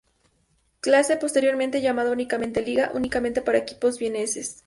Klasse" —posteriormente llamada únicamente "Liga"—, únicamente para equipos vieneses.